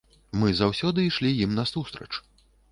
Мы заўсёды ішлі ім насустрач.